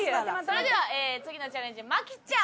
それでは次のチャレンジは麻貴ちゃん。